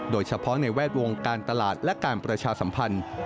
โดยเฉพาะในแวดวงการตลาดและการประชาสัมพันธ์